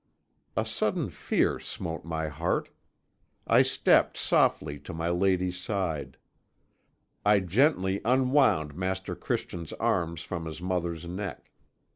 "A sudden fear smote my heart. I stepped softly to my lady's side. I gently unwound Master Christian's arms from his mother's neck.